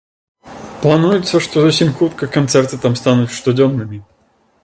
Плануецца, што зусім хутка канцэрты там стануць штодзённымі.